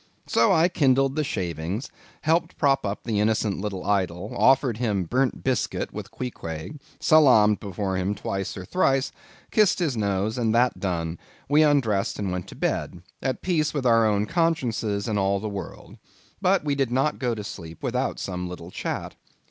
So I kindled the shavings; helped prop up the innocent little idol; offered him burnt biscuit with Queequeg; salamed before him twice or thrice; kissed his nose; and that done, we undressed and went to bed, at peace with our own consciences and all the world. But we did not go to sleep without some little chat.